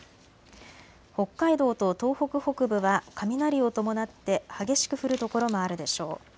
北海道と東北北部は雷を伴って激しく降る所もあるでしょう。